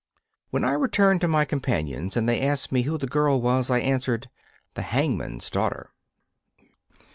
When I returned to my companions and they asked me who the girl was, I answered: 'The hangman's daughter.